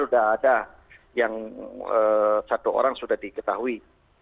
sudah ada yang satu orang sudah diketahui